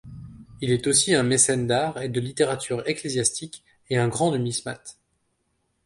Il est aussi un mécène d'art et de littérature ecclésiastique et un grand numismate.